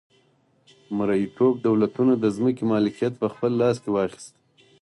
مرئیتوب دولتونو د ځمکې مالکیت په خپل لاس کې واخیست.